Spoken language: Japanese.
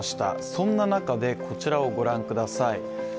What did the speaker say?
そんな中でこちらをご覧ください。